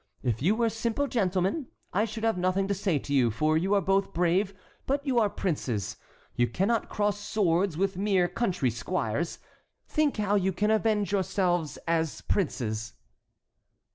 If you were simple gentlemen, I should have nothing to say to you, for you are both brave, but you are princes, you cannot cross swords with mere country squires. Think how you can avenge yourselves as princes."